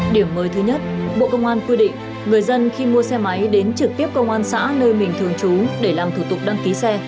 điểm mới thứ nhất bộ công an quy định người dân khi mua xe máy đến trực tiếp công an xã nơi mình thường trú để làm thủ tục đăng ký xe